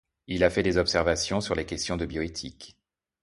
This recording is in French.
Il a fait des observations sur les questions de bioéthique.